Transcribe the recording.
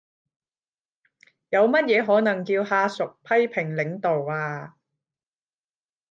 有乜嘢可能叫下屬批評領導呀？